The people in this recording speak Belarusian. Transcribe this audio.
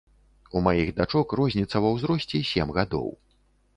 У маіх дачок розніца ва ўзросце сем гадоў.